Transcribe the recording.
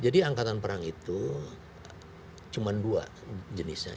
jadi angkatan perang itu cuma dua jenisnya